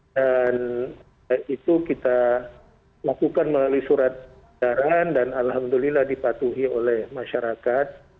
dan itu kita lakukan melalui surat edaran dan alhamdulillah dipatuhi oleh masyarakat